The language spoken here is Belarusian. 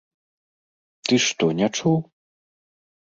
Ты што, не чуў?